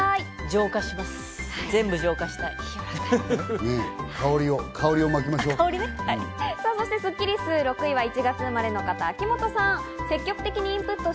続いてはスッキりす、６位は１月生まれの方、秋元さん。